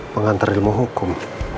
pengantar ilmu hukum